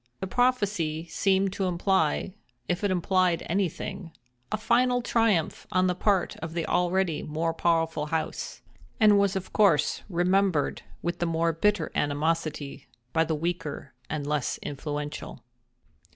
The prophecy seemed to imply—if it implied anything—a final triumph on the part of the already more powerful house; and was of course remembered with the more bitter animosity by the weaker and less influential.